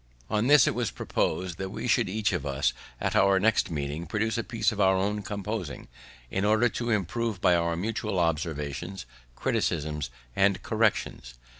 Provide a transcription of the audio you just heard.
On this it was propos'd that we should each of us, at our next meeting, produce a piece of our own composing, in order to improve by our mutual observations, criticisms, and corrections.